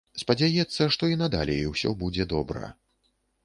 Спадзяецца, што і надалей ўсё будзе добра.